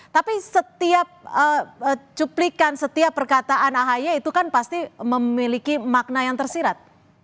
tapi setiap cuplikan setiap perkataan ahi itu kan pasti memiliki makna yang tersirat